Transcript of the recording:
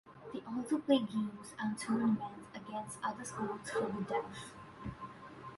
They also play games and tournaments against other schools for the deaf.